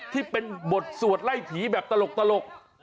ที่เป็นบทสวดไล่ผีแบบตลก